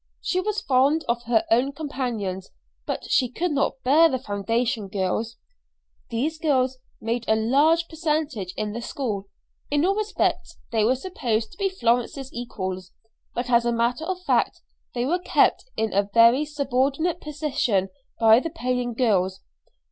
She was fond of her own companions, but she could not bear the foundation girls. These girls made a large percentage in the school. In all respects they were supposed to be Florence's equals, but as a matter of fact they were kept in a very subordinate position by the paying girls.